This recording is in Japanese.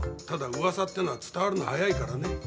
ただ噂ってのは伝わるのが早いからね。